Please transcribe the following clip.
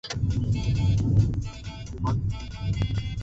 Los jueces temían por la desaparición de las pruebas documentales.